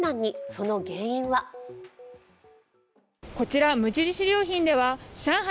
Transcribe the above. その原因はこちら無印良品では上海